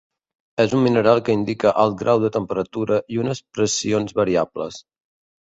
És un mineral que indica alt grau de temperatura i unes pressions variables.